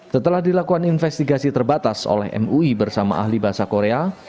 setelah dilakukan investigasi terbatas oleh mui bersama ahli bahasa korea